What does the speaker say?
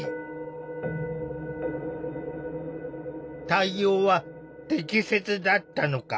対応は適切だったのか？